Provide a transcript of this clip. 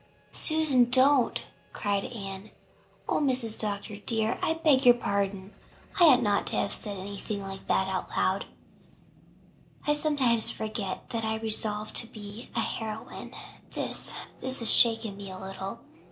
"Susan don't," cried Anne. "Oh, Mrs. Dr. dear, I beg your pardon. I ought not to have said anything like that out loud. I sometimes forget that I resolved to be a heroine. This this has shaken me a little.